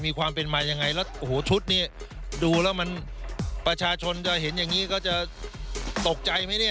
มีความเป็นมายังไงแล้วโอ้โหชุดนี้ดูแล้วมันประชาชนจะเห็นอย่างนี้ก็จะตกใจไหมเนี่ย